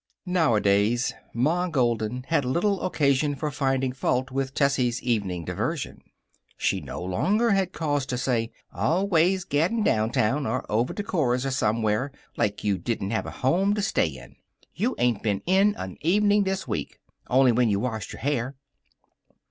Nowadays Ma Golden had little occasion for finding fault with Tessie's evening diversion. She no longer had cause to say, "Always gaddin' downtown, or over to Cora's or somewhere, like you didn't have a home to stay in. You ain't been in a evening this week, only when you washed your hair."